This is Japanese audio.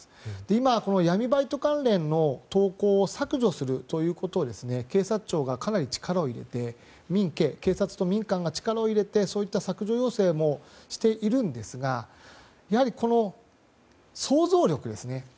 今は闇バイト関連の投稿を削除するということを警察庁がかなり力を入れて民警警察と民間が力を入れて削除要請もしているんですがやはり想像力ですね。